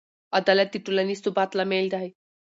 عدالت د ټولنیز ثبات لامل دی.